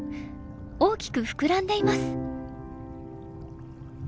大きく膨らんでいます。